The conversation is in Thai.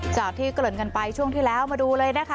จากที่เกริ่นกันไปช่วงที่แล้วมาดูเลยนะคะ